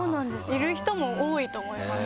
いる人も多いと思いますよ。